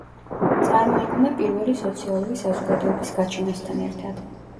წარმოიქმნა პირველი სოციალური საზოგადოების გაჩენასთან ერთად.